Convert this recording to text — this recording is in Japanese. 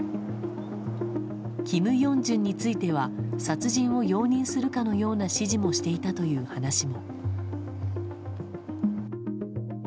キム・ヨンジュンについては殺人を容認するかのような指示もしていたという話も。